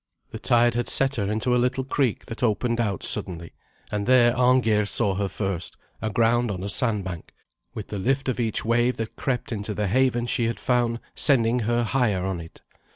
The tide had set her into a little creek that opened out suddenly, and there Arngeir saw her first, aground on a sandbank, with the lift of each wave that crept into the haven she had found sending her higher on it.